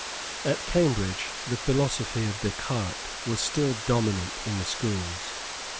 At Cambridge the philosophy of Des Cartes was still dominant in the schools.